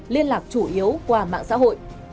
liên lạc chủ yếu qua mạng xã hội